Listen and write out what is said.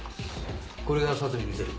これが「サツに見せる分」。